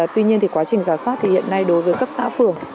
tuy nhiên thì quá trình giả soát thì hiện nay đối với cấp xã phường